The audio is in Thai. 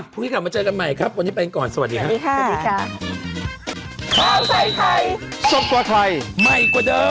โปรดติดตามตอนต่อไป